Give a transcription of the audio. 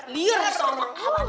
lier sama abah